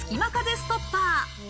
ストッパー。